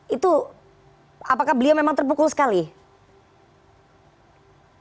itu apakah beliau memang terpukul sekali